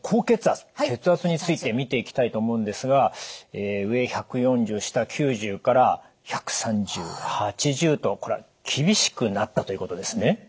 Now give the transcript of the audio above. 血圧について見ていきたいと思うんですが上１４０下９０から１３０／８０とこれは厳しくなったということですね？